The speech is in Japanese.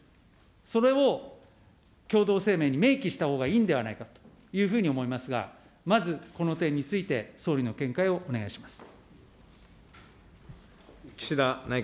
それを共同声明に明記したほうがいいんではないかというふうに思いますが、まずこの点について総理の見解をお願いします。